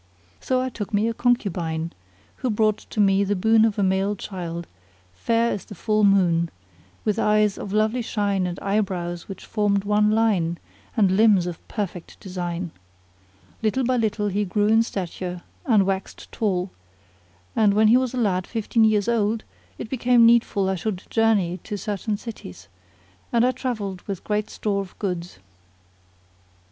So I took me a concubine[FN#45] who brought to me the boon of a male child fair as the full moon, with eyes of lovely shine and eyebrows which formed one line, and limbs of perfect design. Little by little he grew in stature and waxed tall; and when he was a lad fifteen years old, it became needful I should journey to certain cities and I travelled with great store of goods.